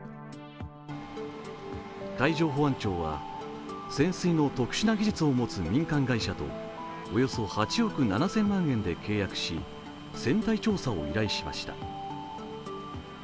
海上保安庁は潜水の特殊な技術を持つ民間会社とおよそ８億７０００万円で契約し船体調査を依頼しました。